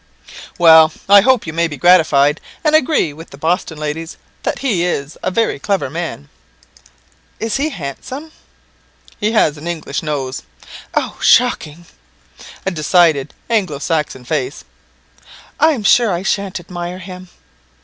"Well, I hope you may be gratified, and agree with the Boston ladies that he is a very clever man." "Is he handsome?" "He has an English nose." "Oh, shocking!" "A decided Anglo Saxon face." "I'm sure I shan't admire him."